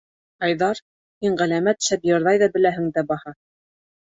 — Айҙар, һин ғәләмәт шәп йырлай ҙа беләһең дә баһа.